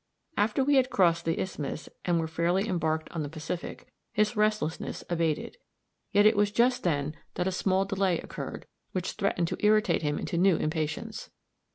After we had crossed the isthmus, and were fairly embarked on the Pacific, his restlessness abated. Yet it was just then that a small delay occurred, which threatened to irritate him into new impatience.